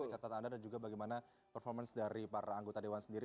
catatan anda dan juga bagaimana performance dari para anggota dewan sendiri